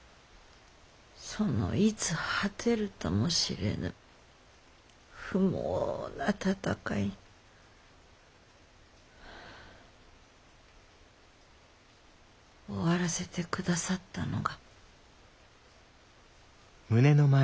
そのいつ果てるともしれぬ不毛な戦い終わらせて下さったのが。